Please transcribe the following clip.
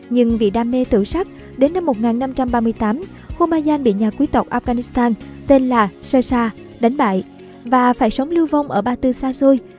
nhưng vì đam mê tử sát đến năm một nghìn năm trăm ba mươi tám humayun bị nhà quý tộc afghanistan tên là shah shah đánh bại và phải sống lưu vong ở ba tư xa xôi